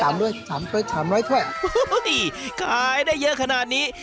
สามร้อยสามร้อยสามร้อยถ้วยอุ้ยขายได้เยอะขนาดนี้